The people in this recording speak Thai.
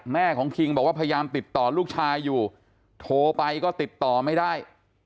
แม่ของคิงบอกว่าพยายามติดต่อลูกชายอยู่โทรไปก็ติดต่อไม่ได้